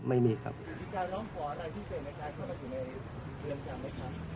ท่านไม่ได้ร้องขออะไรที่เสร็จในการเข้าไปอยู่ในเมืองจังหรือครับ